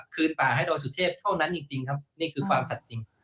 ป่าให้ดอยสุเทพเท่านั้นจริงครับนี่คือความสัดจริง